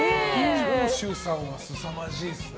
長州さんはすさまじいですね。